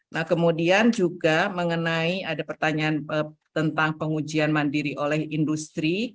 nah kemudian juga mengenai ada pertanyaan tentang pengujian mandiri oleh industri